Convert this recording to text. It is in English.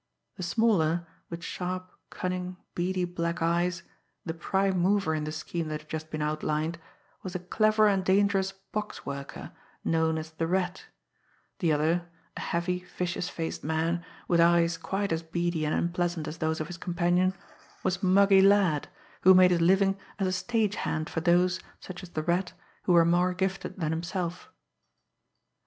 The smaller, with sharp, cunning, beady, black eyes, the prime mover in the scheme that had just been outlined, was a clever and dangerous "box worker,", known as the Rat; the other, a heavy, vicious faced man, with eyes quite as beady and unpleasant as those of his companion, was Muggy Ladd, who made his living as a "stagehand" for those, such as the Rat, who were more gifted than himself.